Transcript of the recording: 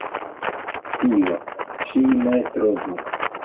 Dio, ŝi ne trovu!